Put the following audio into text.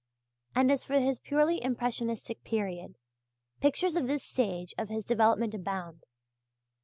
And as for his purely impressionistic period, pictures of this stage of his development abound.